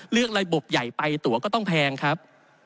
ระบบใหญ่ไปตัวก็ต้องแพงครับ